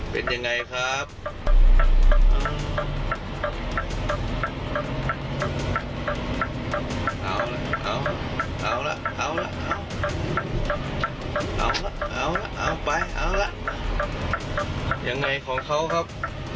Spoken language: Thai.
เป็นยังไงครับ